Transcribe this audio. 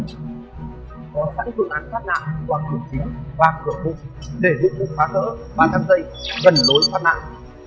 bạn có sẵn phương án thoát nạn qua cửa chiếc qua cửa khúc để giúp khóa cửa và thang dây gần lối thoát nạn